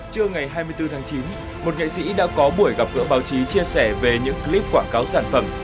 trưa ngày hai mươi bốn tháng chín một nghệ sĩ đã có buổi gặp gỡ báo chí chia sẻ về những clip quảng cáo sản phẩm